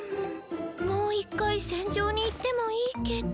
もう一回戦場に行ってもいいけど。